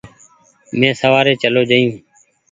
مينٚ سوآري چلو جآيو